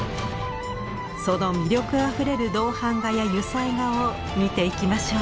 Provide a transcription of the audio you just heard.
その魅力あふれる銅版画や油彩画を見ていきましょう。